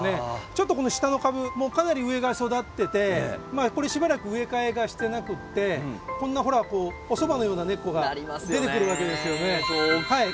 ちょっとこの下の株もうかなり上が育っててこれしばらく植え替えがしてなくってこんなほらおそばのような根っこが出てくるわけですよね。